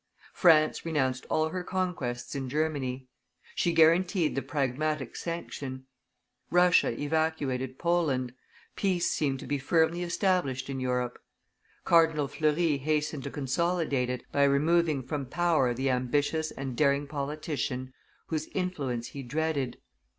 France renounced all her conquests in Germany; she guaranteed the Pragmatic Sanction. Russia evacuated Poland: peace seemed to be firmly established in Europe. Cardinal Fleury hasted to consolidate it, by removing from power the ambitious and daring politician whose influence he dreaded.